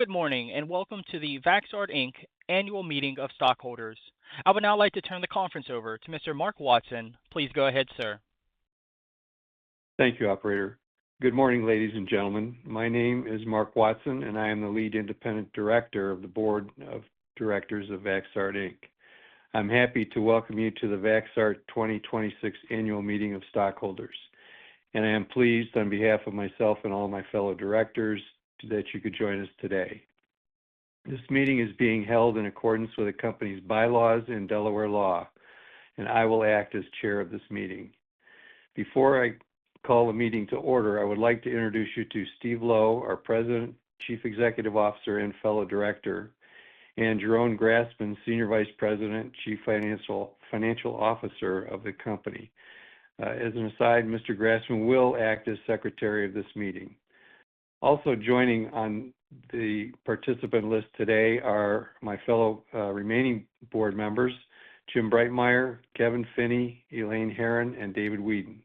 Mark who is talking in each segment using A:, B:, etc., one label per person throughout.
A: Good morning, and welcome to the Vaxart, Inc. Annual Meeting of Stockholders. I would now like to turn the conference over to Mr. Mark Watson. Please go ahead, sir.
B: Thank you, operator. Good morning, ladies and gentlemen. My name is Mark Watson, and I am the Lead Independent Director of the Board of Directors of Vaxart, Inc. I'm happy to welcome you to the Vaxart 2026 Annual Meeting of Stockholders, and I am pleased on behalf of myself and all my fellow Directors that you could join us today. This meeting is being held in accordance with the company's bylaws and Delaware law, and I will act as Chair of this meeting. Before I call the meeting to order, I would like to introduce you to Steve Lo, our President, Chief Executive Officer, and fellow Director, and Jeroen Grasman, Senior Vice President, Chief Financial Officer of the company. As an aside, Mr. Grasman will act as Secretary of this meeting. Also joining on the participant list today are my fellow remaining board members, Jim Breitmeyer, Kevin Finney, Elaine Heron, and David Wheadon.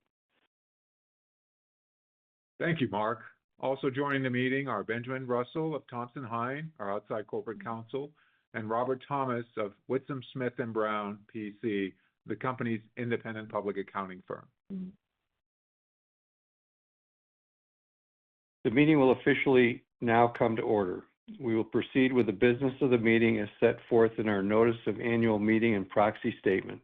C: Thank you, Mark. Also joining the meeting are Benjamin Russell of Thompson Hine, our outside corporate counsel, and Robert Thomas of WithumSmith+Brown, PC, the company's independent public accounting firm.
B: The meeting will officially now come to order. We will proceed with the business of the meeting as set forth in our notice of annual meeting and proxy statement.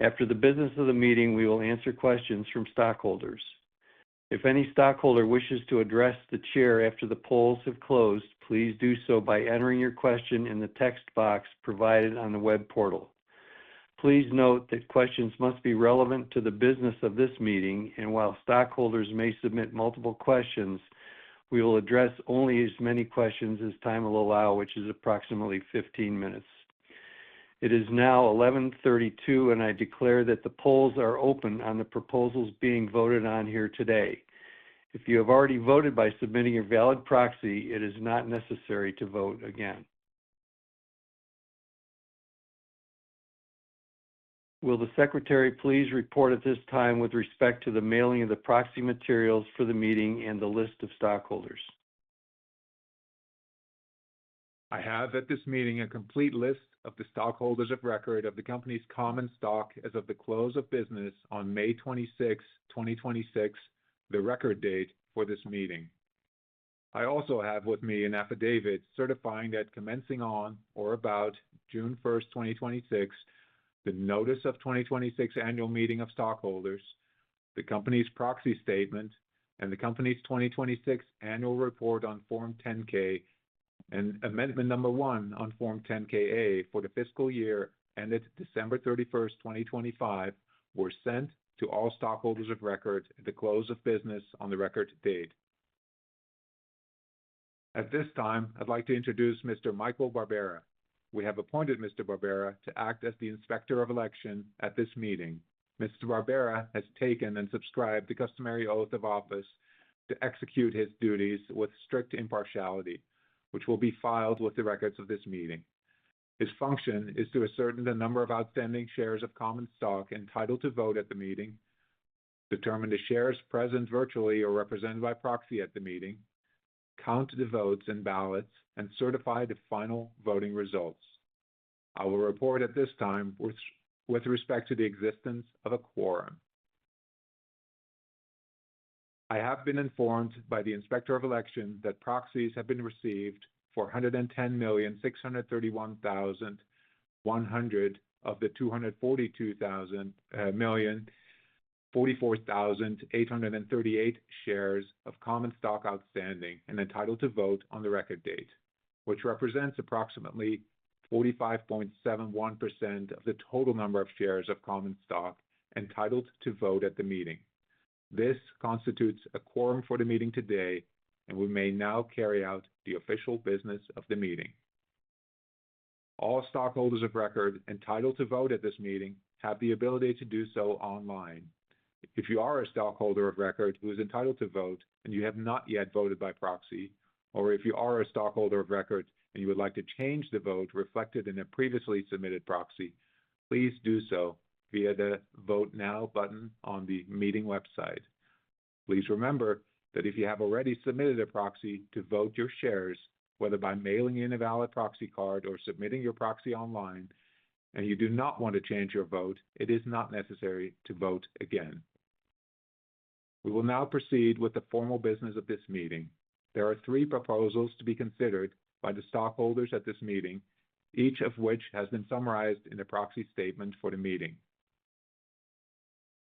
B: After the business of the meeting, we will answer questions from stockholders. If any stockholder wishes to address the chair after the polls have closed, please do so by entering your question in the text box provided on the web portal. Please note that questions must be relevant to the business of this meeting, and while stockholders may submit multiple questions, we will address only as many questions as time will allow, which is approximately 15 minutes. It is now 11:32, and I declare that the polls are open on the proposals being voted on here today. If you have already voted by submitting your valid proxy, it is not necessary to vote again. Will the secretary please report at this time with respect to the mailing of the proxy materials for the meeting and the list of stockholders?
C: I have at this meeting a complete list of the stockholders of record of the company's common stock as of the close of business on May 26, 2026, the record date for this meeting. I also have with me an affidavit certifying that commencing on or about June 1st, 2026, the notice of 2026 annual meeting of stockholders, the company's proxy statement, and the company's 2026 annual report on Form 10-K and Amendment number one on Form 10-K/A for the fiscal year ended December 31st, 2025, were sent to all stockholders of record at the close of business on the record date. At this time, I'd like to introduce Mr. Michael Barbera. We have appointed Mr. Barbera to act as the Inspector of Election at this meeting. Mr. Barbera has taken and subscribed the customary oath of office to execute his duties with strict impartiality, which will be filed with the records of this meeting. His function is to ascertain the number of outstanding shares of common stock entitled to vote at the meeting, determine the shares present virtually or represented by proxy at the meeting, count the votes and ballots, and certify the final voting results. I will report at this time with respect to the existence of a quorum. I have been informed by the Inspector of Election that proxies have been received for 110,631,100 of the 242,044,838 shares of common stock outstanding and entitled to vote on the record date, which represents approximately 45.71% of the total number of shares of common stock entitled to vote at the meeting. This constitutes a quorum for the meeting today. We may now carry out the official business of the meeting. All stockholders of record entitled to vote at this meeting have the ability to do so online. If you are a stockholder of record who is entitled to vote and you have not yet voted by proxy, or if you are a stockholder of record and you would like to change the vote reflected in a previously submitted proxy, please do so via the Vote Now button on the meeting website. Please remember that if you have already submitted a proxy to vote your shares, whether by mailing in a valid proxy card or submitting your proxy online, and you do not want to change your vote, it is not necessary to vote again. We will now proceed with the formal business of this meeting. There are three proposals to be considered by the stockholders at this meeting, each of which has been summarized in a proxy statement for the meeting.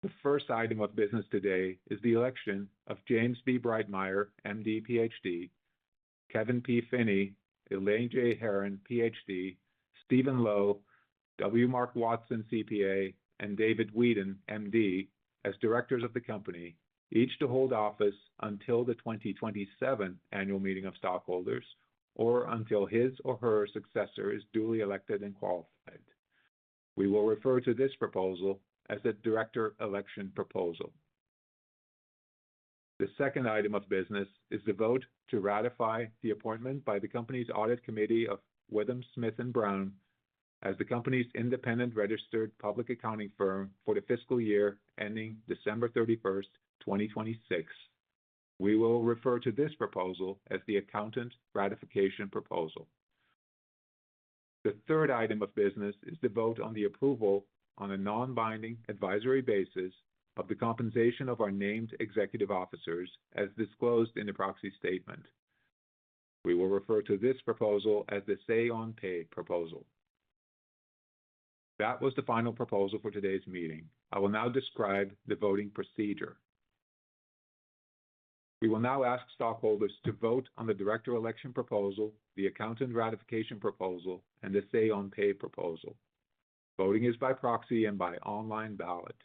C: The first item of business today is the election of James B. Breitmeyer, MD, PhD, Kevin P. Finney, Elaine J. Heron, PhD, Steven Lo, W. Mark Watson, CPA, and David Wheadon, MD, as directors of the company, each to hold office until the 2027 Annual Meeting of Stockholders or until his or her successor is duly elected and qualified. We will refer to this proposal as the director election proposal. The second item of business is the vote to ratify the appointment by the company's audit committee of WithumSmith+Brown as the company's independent registered public accounting firm for the fiscal year ending December 31st, 2026. We will refer to this proposal as the accountant ratification proposal. The third item of business is to vote on the approval on a non-binding advisory basis of the compensation of our named executive officers as disclosed in the proxy statement. We will refer to this proposal as the say on pay proposal. That was the final proposal for today's meeting. I will now describe the voting procedure. We will now ask stockholders to vote on the director election proposal, the accountant ratification proposal, and the say on pay proposal. Voting is by proxy and by online ballot.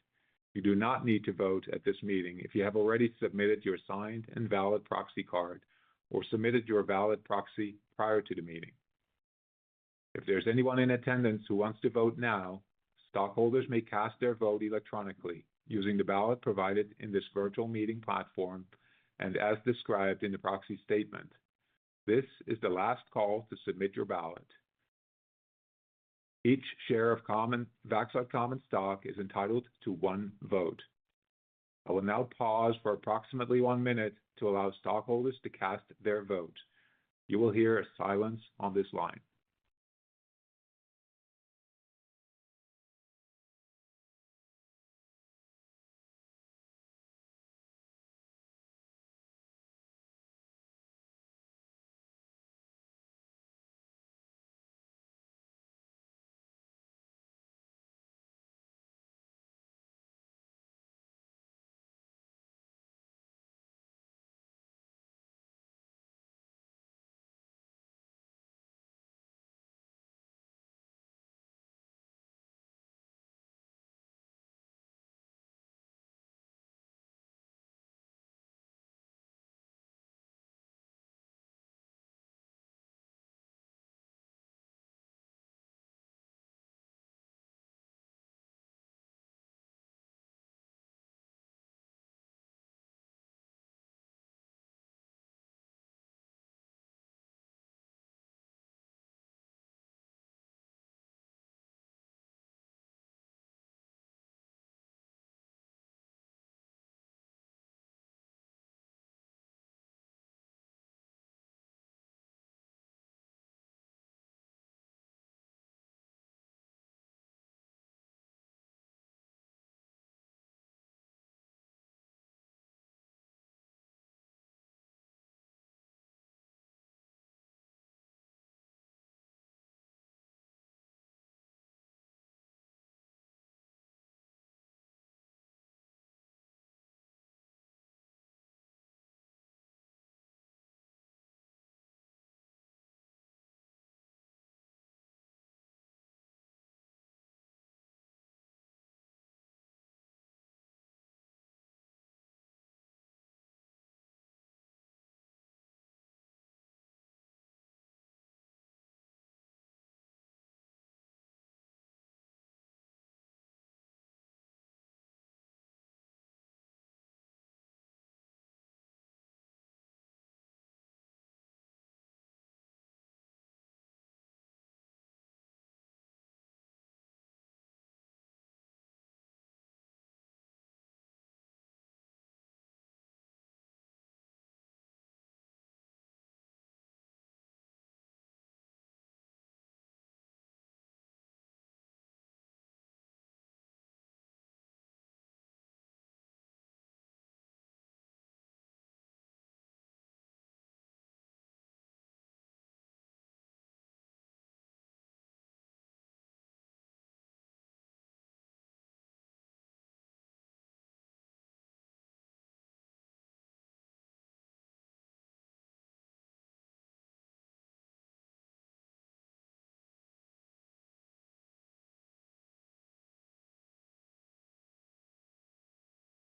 C: You do not need to vote at this meeting if you have already submitted your signed and valid proxy card or submitted your valid proxy prior to the meeting. If there's anyone in attendance who wants to vote now, stockholders may cast their vote electronically using the ballot provided in this virtual meeting platform and as described in the proxy statement. This is the last call to submit your ballot. Each share of Vaxart common stock is entitled to one vote. I will now pause for approximately one minute to allow stockholders to cast their vote. You will hear a silence on this line.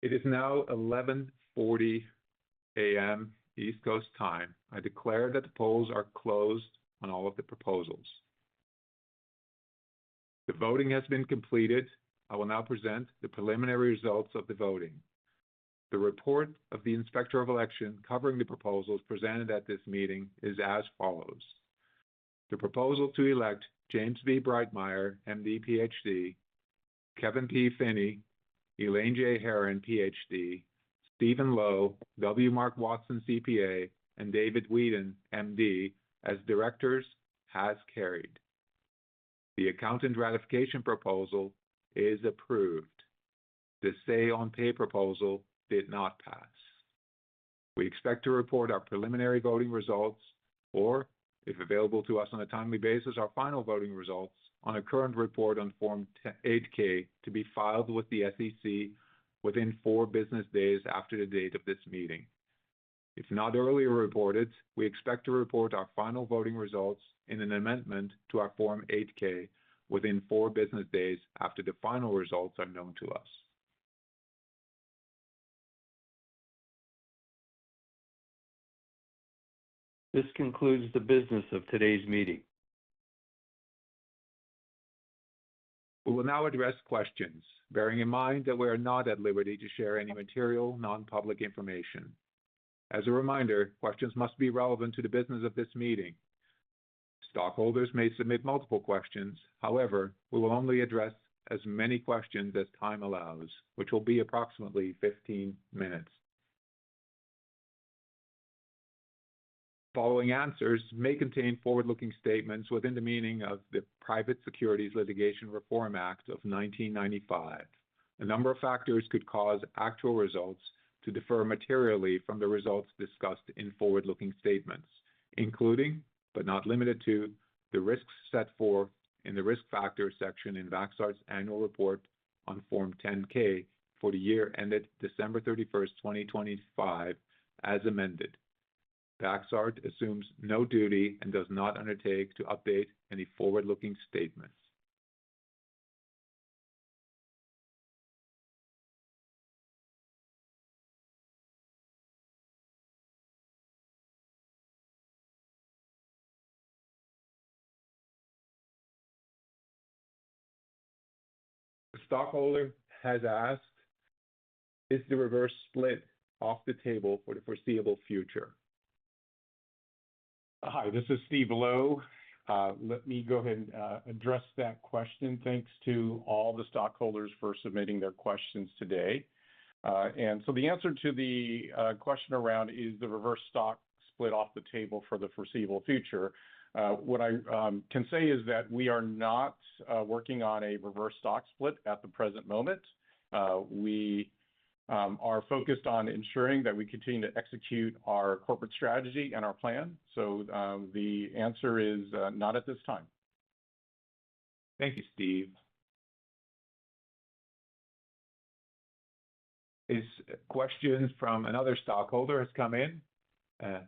C: It is now 11:40 A.M. East Coast time. I declare that the polls are closed on all of the proposals. The voting has been completed. I will now present the preliminary results of the voting. The report of the inspector of election covering the proposals presented at this meeting is as follows. The proposal to elect James B. Breitmeyer, MD, PhD, Kevin P. Finney, Elaine J. Heron, PhD, Steven Lo, W. Mark Watson, CPA, and David Wheadon, MD, as directors, has carried. The accountant ratification proposal is approved. The say on pay proposal did not pass. We expect to report our preliminary voting results, or if available to us on a timely basis, our final voting results on a current report on Form 8-K to be filed with the SEC within four business days after the date of this meeting. If not earlier reported, we expect to report our final voting results in an amendment to our Form 8-K within four business days after the final results are known to us. This concludes the business of today's meeting. We will now address questions, bearing in mind that we are not at liberty to share any material, non-public information. As a reminder, questions must be relevant to the business of this meeting. Stockholders may submit multiple questions. However, we will only address as many questions as time allows, which will be approximately 15 minutes. Following answers may contain forward-looking statements within the meaning of the Private Securities Litigation Reform Act of 1995. A number of factors could cause actual results to differ materially from the results discussed in forward-looking statements, including, but not limited to, the risks set forth in the Risk Factors section in Vaxart's annual report on Form 10-K for the year ended December 31st, 2025, as amended. Vaxart assumes no duty and does not undertake to update any forward-looking statements. A stockholder has asked, "Is the reverse split off the table for the foreseeable future?
D: Hi, this is Steve Lo. Let me go ahead and address that question. Thanks to all the stockholders for submitting their questions today. The answer to the question around, is the reverse stock split off the table for the foreseeable future? What I can say is that we are not working on a reverse stock split at the present moment. We are focused on ensuring that we continue to execute our corporate strategy and our plan. The answer is not at this time.
C: Thank you, Steve. This question from another stockholder has come in.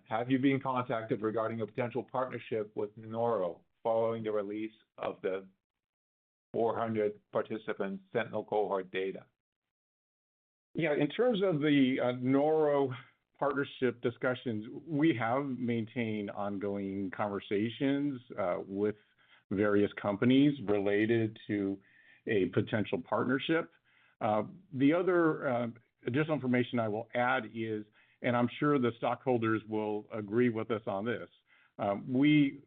C: "Have you been contacted regarding a potential partnership with norovirus following the release of the 400-participant sentinel cohort data?
D: In terms of the Noro partnership discussions, we have maintained ongoing conversations with various companies related to a potential partnership. The other additional information I will add is, and I'm sure the stockholders will agree with us on this, we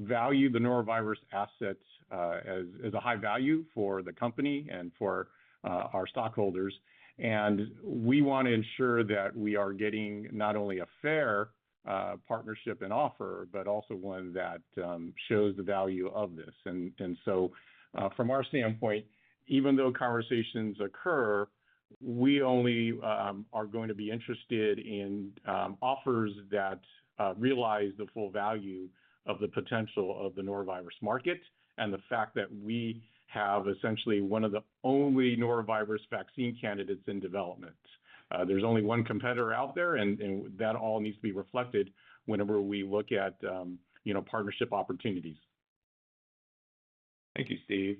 D: value the norovirus assets as a high value for the company and for our stockholders, and we want to ensure that we are getting not only a fair partnership and offer, but also one that shows the value of this. From our standpoint, even though conversations occur, we only are going to be interested in offers that realize the full value of the potential of the norovirus market and the fact that we have essentially one of the only norovirus vaccine candidates in development. There's only one competitor out there, and that all needs to be reflected whenever we look at partnership opportunities.
C: Thank you, Steve.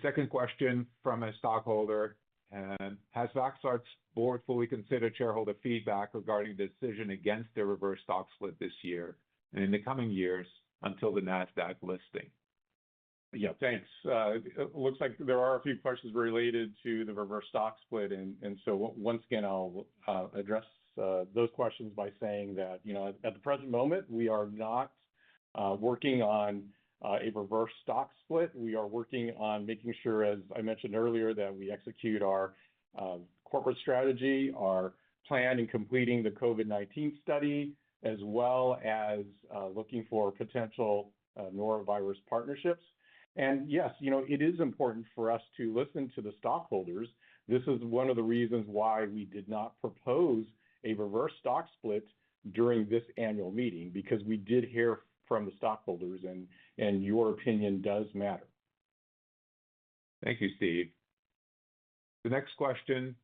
C: The second question from a stockholder, "Has Vaxart's board fully considered shareholder feedback regarding the decision against the reverse stock split this year and in the coming years until the Nasdaq listing?
D: Thanks. It looks like there are a few questions related to the reverse stock split, once again, I'll address those questions by saying that at the present moment, we are not working on a reverse stock split. We are working on making sure, as I mentioned earlier, that we execute our corporate strategy, our plan in completing the COVID-19 study, as well as looking for potential norovirus partnerships. Yes, it is important for us to listen to the stockholders. This is one of the reasons why we did not propose a reverse stock split during this annual meeting, because we did hear from the stockholders, and your opinion does matter.
C: Thank you, Steve. The next question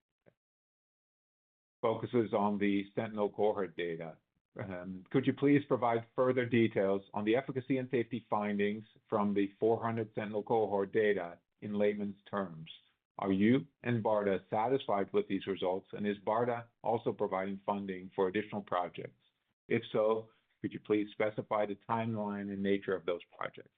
C: focuses on the Sentinel cohort data. "Could you please provide further details on the efficacy and safety findings from the 400 Sentinel cohort data in layman's terms? Are you and BARDA satisfied with these results, is BARDA also providing funding for additional projects? If so, could you please specify the timeline and nature of those projects?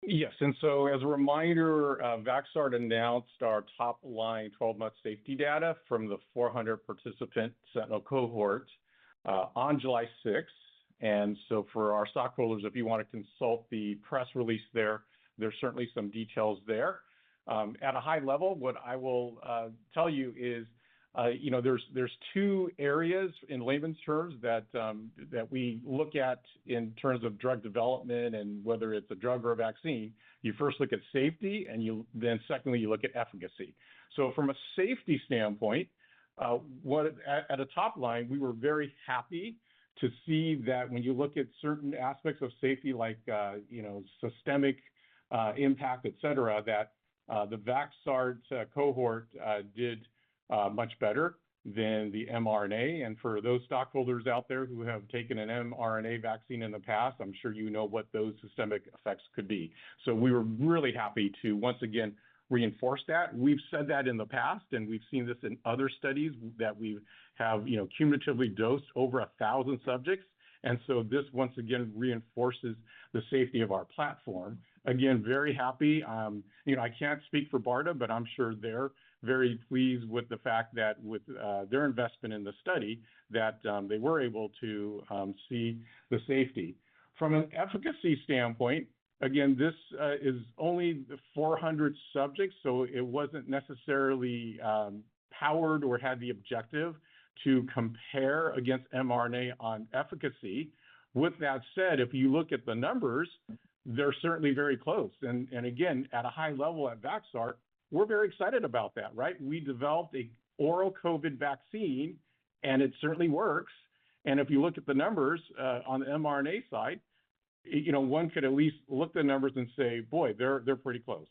D: Yes. As a reminder, Vaxart announced our top-line 12-month safety data from the 400-participant Sentinel cohort on July 6th. For our stockholders, if you want to consult the press release there's certainly some details there. At a high level, what I will tell you is there's two areas in layman's terms that we look at in terms of drug development and whether it's a drug or a vaccine. You first look at safety, and then secondly, you look at efficacy. From a safety standpoint, at a top line, we were very happy to see that when you look at certain aspects of safety like systemic impact, et cetera, that the Vaxart cohort did much better than the mRNA. For those stockholders out there who have taken an mRNA vaccine in the past, I'm sure you know what those systemic effects could be. We were really happy to, once again, reinforce that. We've said that in the past, and we've seen this in other studies that we have cumulatively dosed over 1,000 subjects. This, once again, reinforces the safety of our platform. Again, very happy. I can't speak for BARDA, but I'm sure they're very pleased with the fact that with their investment in the study, that they were able to see the safety. From an efficacy standpoint, again, this is only the 400 subjects, so it wasn't necessarily powered or had the objective to compare against mRNA on efficacy. With that said, if you look at the numbers, they're certainly very close. Again, at a high level at Vaxart, we're very excited about that, right? We developed an oral COVID vaccine, and it certainly works. If you look at the numbers on the mRNA side, one could at least look at the numbers and say, "Boy, they're pretty close."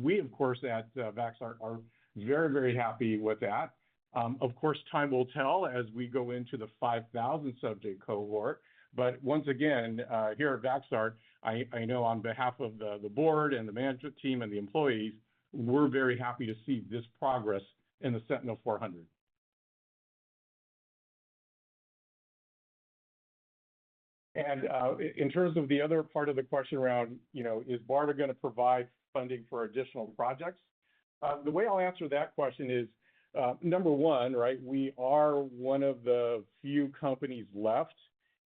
D: We, of course, at Vaxart, are very, very happy with that. Of course, time will tell as we go into the 5,000 subject cohort, but once again, here at Vaxart, I know on behalf of the board and the management team and the employees, we're very happy to see this progress in the Sentinel 400. In terms of the other part of the question around is BARDA going to provide funding for additional projects? The way I'll answer that question is, number one, we are one of the few companies left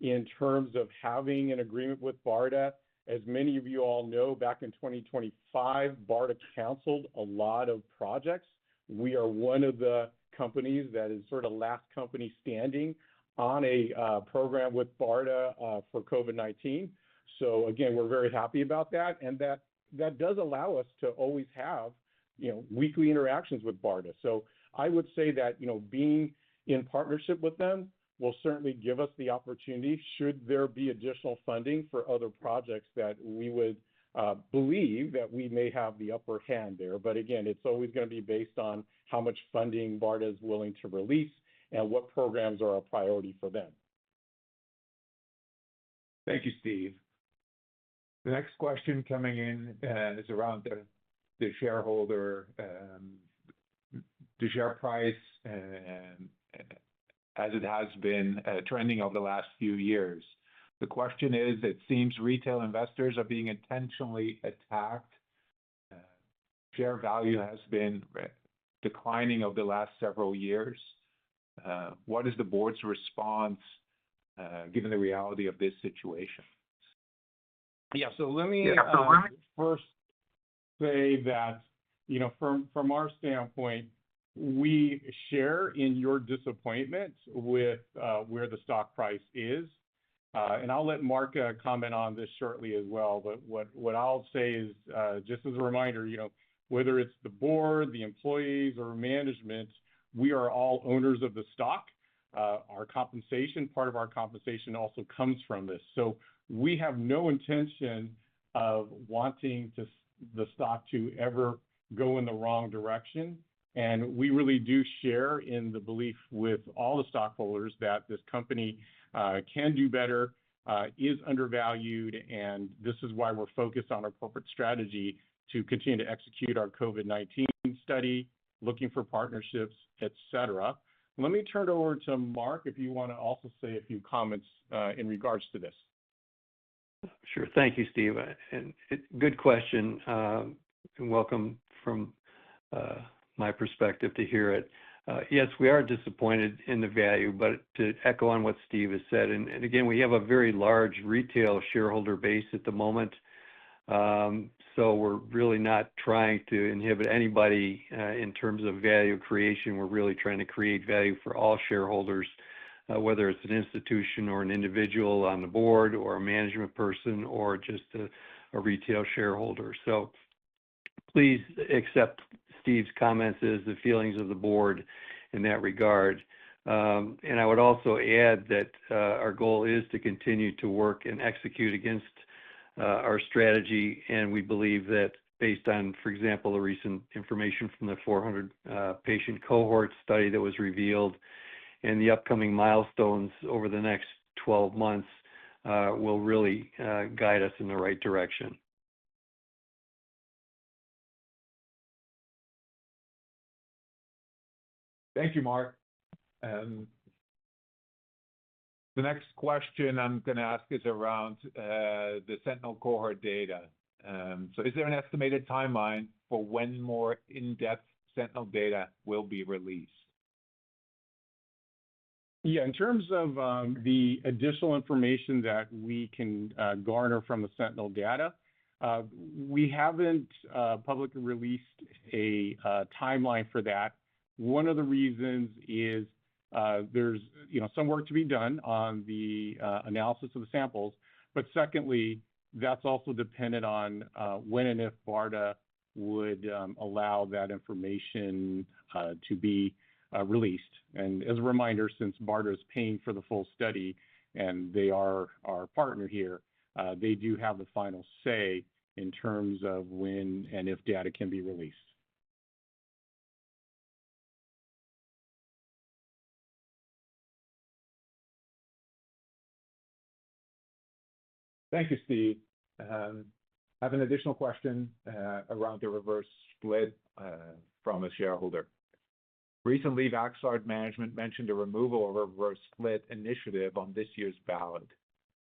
D: in terms of having an agreement with BARDA. As many of you all know, back in 2025, BARDA canceled a lot of projects. We are one of the companies that is sort of last company standing on a program with BARDA for COVID-19. Again, we're very happy about that, and that does allow us to always have weekly interactions with BARDA. I would say that being in partnership with them will certainly give us the opportunity, should there be additional funding for other projects, that we would believe that we may have the upper hand there. Again, it's always going to be based on how much funding BARDA is willing to release and what programs are a priority for them.
C: Thank you, Steve. The next question coming in is around the share price as it has been trending over the last few years. The question is, "It seems retail investors are being intentionally attacked. Share value has been declining over the last several years. What is the board's response given the reality of this situation?
D: Yeah.
C: Yeah
D: I first say that from our standpoint, we share in your disappointment with where the stock price is. I will let Mark comment on this shortly as well, what I will say is, just as a reminder, whether it is the board, the employees, or management, we are all owners of the stock. Part of our compensation also comes from this. We have no intention of wanting the stock to ever go in the wrong direction, we really do share in the belief with all the stockholders that this company can do better, is undervalued, and this is why we are focused on our corporate strategy to continue to execute our COVID-19 study, looking for partnerships, et cetera. Let me turn it over to Mark, if you want to also say a few comments in regards to this.
B: Sure. Thank you, Steve, good question, welcome from my perspective to hear it. Yes, we are disappointed in the value, to echo on what Steve has said, again, we have a very large retail shareholder base at the moment. We are really not trying to inhibit anybody in terms of value creation. We are really trying to create value for all shareholders, whether it is an institution or an individual on the board or a management person or just a retail shareholder. Please accept Steve's comment as the feelings of the board in that regard. I would also add that our goal is to continue to work and execute against our strategy, and we believe that based on, for example, the recent information from the 400-patient cohort study that was revealed and the upcoming milestones over the next 12 months will really guide us in the right direction.
C: Thank you, Mark. The next question I'm going to ask is around the sentinel cohort data. Is there an estimated timeline for when more in-depth sentinel data will be released?
D: In terms of the additional information that we can garner from the sentinel data, we haven't publicly released a timeline for that. One of the reasons is there's some work to be done on the analysis of the samples. Secondly, that's also dependent on when and if BARDA would allow that information to be released. As a reminder, since BARDA's paying for the full study and they are our partner here, they do have the final say in terms of when and if data can be released.
C: Thank you, Steve. I have an additional question around the reverse split from a shareholder. Recently, Vaxart management mentioned a removal of reverse split initiative on this year's ballot.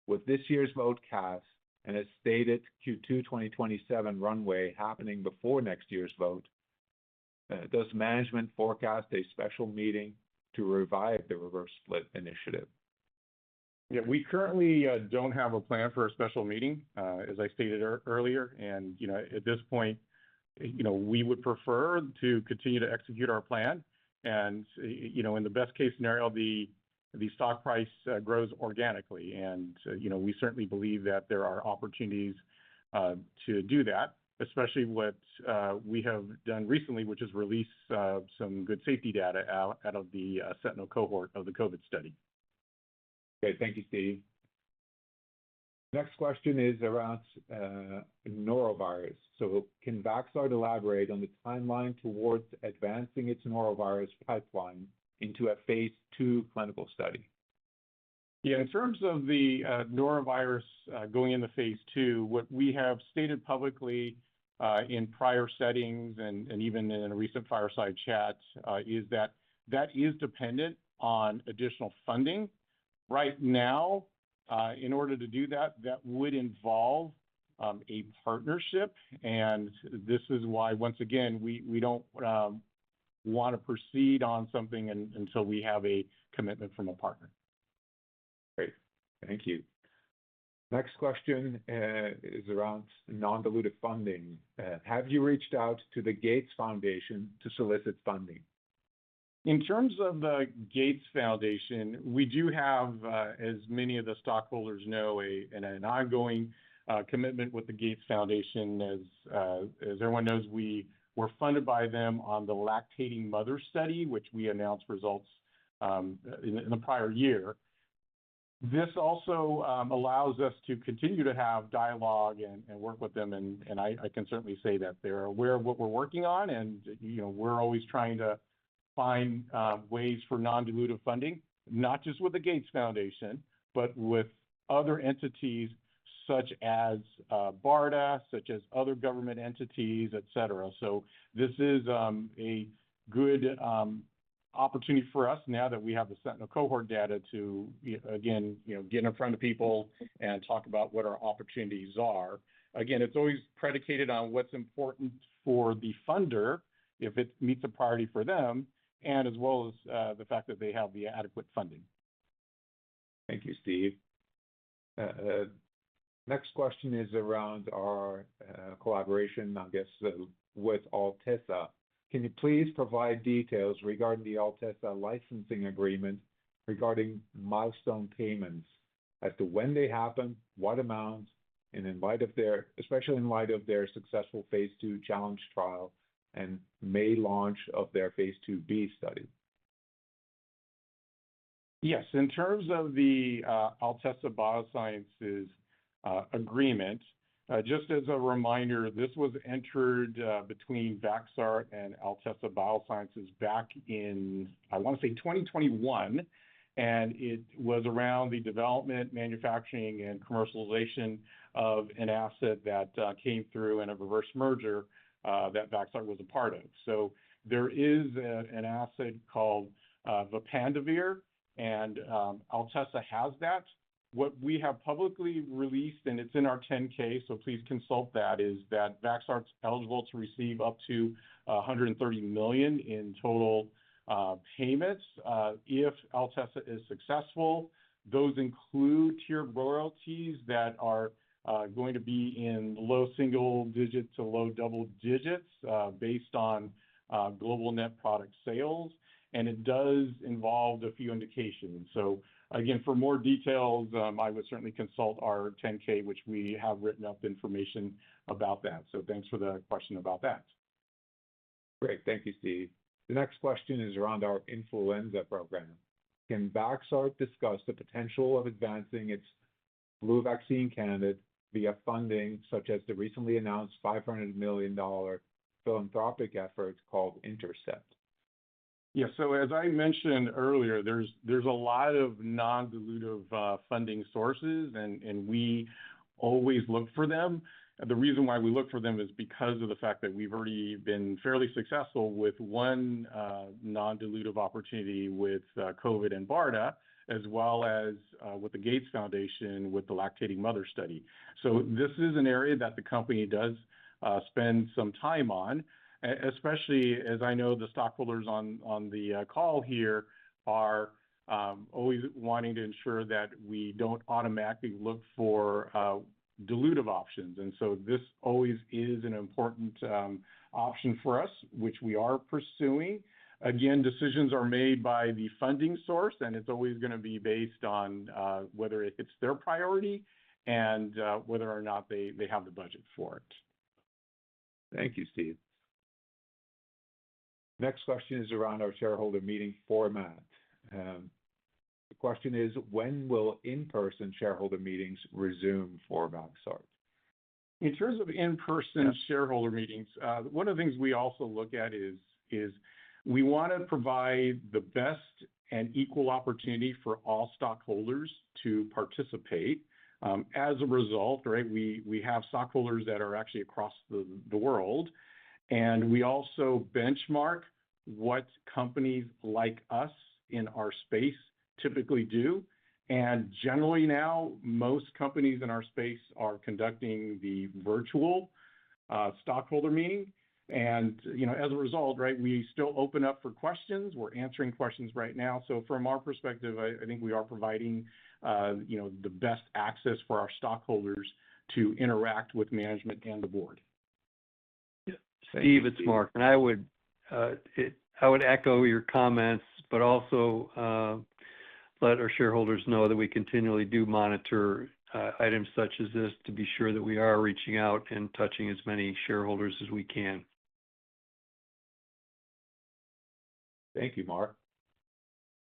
C: With this year's vote cast and a stated Q2 2027 runway happening before next year's vote, does management forecast a special meeting to revive the reverse split initiative?
D: Yeah, we currently don't have a plan for a special meeting, as I stated earlier. At this point, we would prefer to continue to execute our plan. In the best-case scenario, the stock price grows organically. We certainly believe that there are opportunities to do that, especially what we have done recently, which is release some good safety data out of the Sentinel cohort of the COVID study.
C: Okay. Thank you, Steve. Next question is around norovirus. Can Vaxart elaborate on the timeline towards advancing its norovirus pipeline into a phase II clinical study?
D: Yeah, in terms of the norovirus going into phase II, what we have stated publicly in prior settings and even in recent fireside chats, is that that is dependent on additional funding. Right now, in order to do that would involve a partnership, and this is why, once again, we don't want to proceed on something until we have a commitment from a partner.
C: Great. Thank you. Next question is around non-dilutive funding. Have you reached out to the Gates Foundation to solicit funding?
D: In terms of the Gates Foundation, we do have, as many of the stockholders know, an ongoing commitment with the Gates Foundation. As everyone knows, we were funded by them on the lactating mother study, which we announced results in the prior year. This also allows us to continue to have dialogue and work with them, and I can certainly say that they're aware of what we're working on, and we're always trying to find ways for non-dilutive funding, not just with the Gates Foundation, but with other entities such as BARDA, such as other government entities, et cetera. This is a good opportunity for us now that we have the sentinel cohort data to, again, get in front of people and talk about what our opportunities are. It's always predicated on what's important for the funder, if it meets a priority for them, and as well as the fact that they have the adequate funding.
C: Thank you, Steve. Next question is around our collaboration, I guess, with Altesa. Can you please provide details regarding the Altesa licensing agreement regarding milestone payments as to when they happen, what amounts, and especially in light of their successful phase II challenge trial and May launch of their phase II-B study?
D: Yes. In terms of the Altesa Biosciences agreement, just as a reminder, this was entered between Vaxart and Altesa Biosciences back in, I want to say, 2021, and it was around the development, manufacturing, and commercialization of an asset that came through in a reverse merger that Vaxart was a part of. There is an asset called Vapendavir, and Altesa has that. What we have publicly released, and it's in our 10-K, please consult that, is that Vaxart's eligible to receive up to $130 million in total payments if Altesa is successful. Those include tier royalties that are going to be in low single digits to low double digits based on global net product sales, and it does involve a few indications. Again, for more details, I would certainly consult our 10-K, which we have written up information about that. Thanks for the question about that.
C: Great. Thank you, Steve. The next question is around our influenza program. Can Vaxart discuss the potential of advancing its flu vaccine candidate via funding such as the recently announced $500 million philanthropic effort called Intercept?
D: Yeah. As I mentioned earlier, there's a lot of non-dilutive funding sources, and we always look for them. The reason why we look for them is because of the fact that we've already been fairly successful with one non-dilutive opportunity with COVID and BARDA, as well as with the Gates Foundation with the lactating mother study. This is an area that the company does spend some time on, especially as I know the stockholders on the call here are always wanting to ensure that we don't automatically look for dilutive options. This always is an important option for us, which we are pursuing. Again, decisions are made by the funding source, and it's always going to be based on whether it's their priority and whether or not they have the budget for it.
C: Thank you, Steve. Next question is around our shareholder meeting format. The question is, when will in-person shareholder meetings resume for Vaxart?
D: In terms of in-person shareholder meetings, one of the things we also look at is we want to provide the best and equal opportunity for all stockholders to participate. As a result, we have stockholders that are actually across the world, and we also benchmark what companies like us in our space typically do. Generally now, most companies in our space are conducting the virtual stockholder meeting. As a result, we still open up for questions. We're answering questions right now. From our perspective, I think we are providing the best access for our stockholders to interact with management and the board.
C: Yeah. Thank you.
B: Steve, it's Mark. I would echo your comments, also let our shareholders know that we continually do monitor items such as this to be sure that we are reaching out and touching as many shareholders as we can.
C: Thank you, Mark.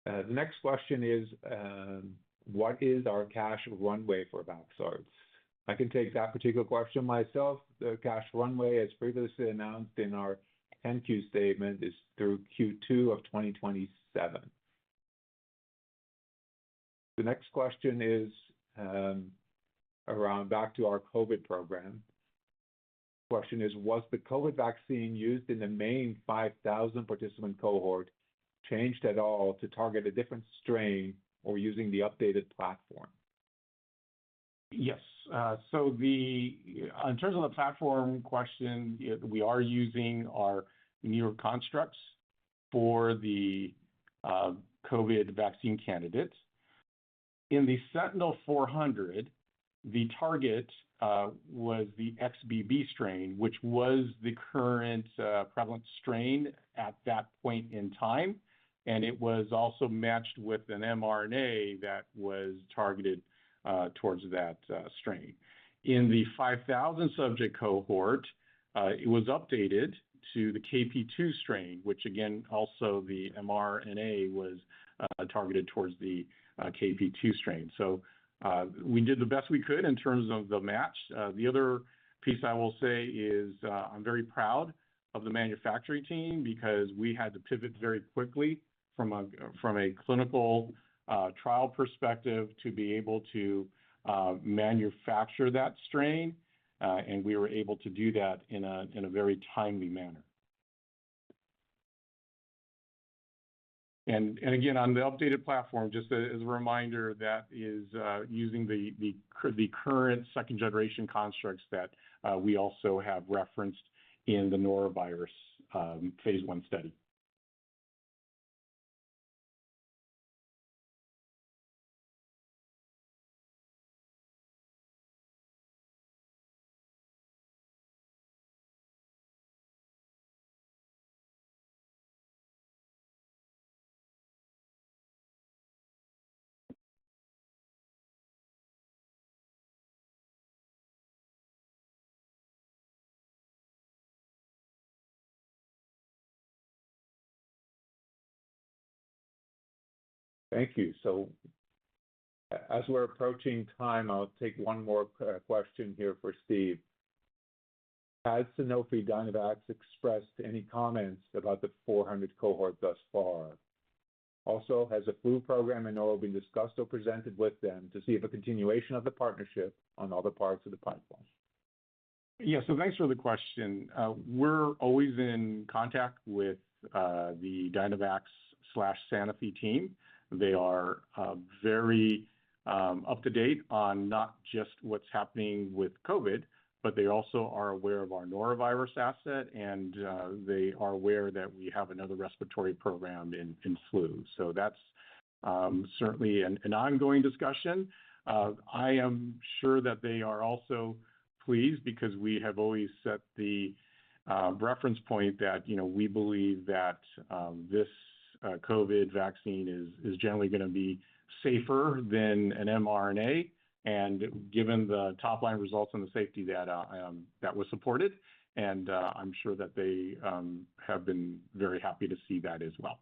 C: The next question is, what is our cash runway for Vaxart? I can take that particular question myself. The cash runway, as previously announced in our 10-Q statement, is through Q2 of 2027. The next question is around back to our COVID program. Question is: Was the COVID vaccine used in the main 5,000-participant cohort changed at all to target a different strain or using the updated platform?
D: Yes. In terms of the platform question, we are using our newer constructs for the COVID vaccine candidates. In the Sentinel 400, the target was the XBB strain, which was the current prevalent strain at that point in time. It was also matched with an mRNA that was targeted towards that strain. In the 5,000-subject cohort, it was updated to the KP.2 strain, which again, also the mRNA was targeted towards the KP.2 strain. We did the best we could in terms of the match. The other piece I will say is I'm very proud of the manufacturing team because we had to pivot very quickly from a clinical trial perspective to be able to manufacture that strain, we were able to do that in a very timely manner. Again, on the updated platform, just as a reminder, that is using the current second-generation constructs that we also have referenced in the norovirus phase I study.
C: Thank you. As we're approaching time, I'll take one more question here for Steve. Has Sanofi/Dynavax expressed any comments about the 400 cohort thus far? Has a flu program at all been discussed or presented with them to see if a continuation of the partnership on other parts of the pipeline?
D: Thanks for the question. We're always in contact with the Dynavax/Sanofi team. They are very up to date on not just what's happening with COVID, but they also are aware of our norovirus asset, and they are aware that we have another respiratory program in flu. That's certainly an ongoing discussion. I am sure that they are also pleased because we have always set the reference point that we believe that this COVID vaccine is generally going to be safer than an mRNA, and given the top-line results and the safety data that was supported, and I'm sure that they have been very happy to see that as well.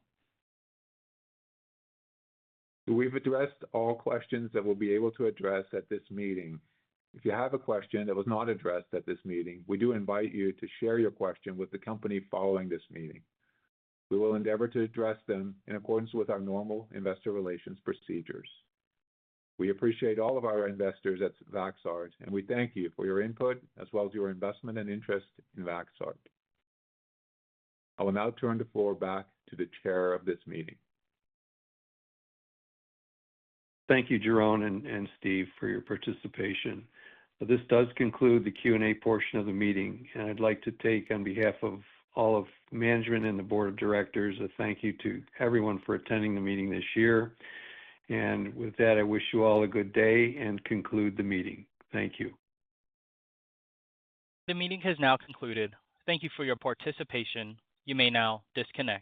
C: We've addressed all questions that we'll be able to address at this meeting. If you have a question that was not addressed at this meeting, we do invite you to share your question with the company following this meeting. We will endeavor to address them in accordance with our normal investor relations procedures. We appreciate all of our investors at Vaxart, and we thank you for your input as well as your investment and interest in Vaxart. I will now turn the floor back to the chair of this meeting.
B: Thank you, Jeroen and Steve, for your participation. This does conclude the Q&A portion of the meeting, and I'd like to take on behalf of all of management and the board of directors, a thank you to everyone for attending the meeting this year. With that, I wish you all a good day and conclude the meeting. Thank you.
A: The meeting has now concluded. Thank you for your participation. You may now disconnect.